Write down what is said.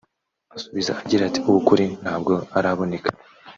asubiza agira ati “Uw’ukuri ntabwo araboneka